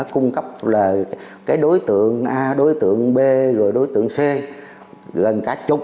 cung cấp là cái đối tượng a đối tượng b rồi đối tượng c gần cả chục